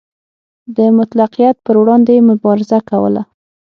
د مطلقیت پر وړاندې یې مبارزه کوله.